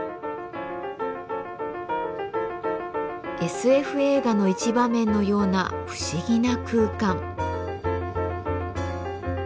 ＳＦ映画の一場面のような不思議な空間。